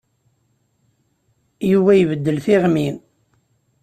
Yuba ibeddel tiɣmi.